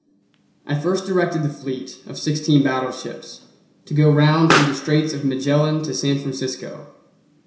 I first directed the fleet, of sixteen battleships, to go round through the Straits of Magellan to San Francisco.